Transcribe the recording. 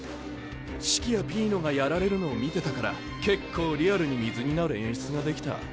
シキやピーノがやられるのを見てたから結構リアルに水になる演出ができた。